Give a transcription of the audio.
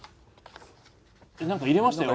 なんか入れましたよ。